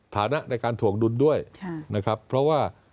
ฐานะในการถวงดุลด้วยนะครับเพราะว่า